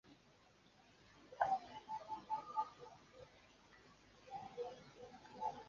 Алардан башка эч ким жоопкерчилик ала албайт, — деп белгиледи ал.